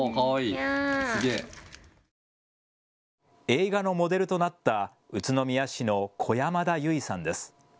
映画のモデルとなった宇都宮市の小山田優生さんです。